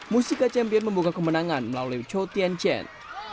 musica champions membuka kemenangan melalui chou tianchen